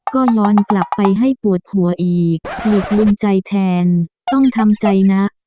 ก็ย้อนกลับไปให้ปวดหัวอีกหลีกลืมใจแทนต้องทำใจนะ